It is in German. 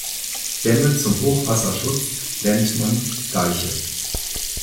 Dämme zum Hochwasserschutz nennt man Deiche.